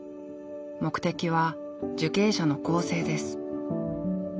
目的は受刑者の更生です。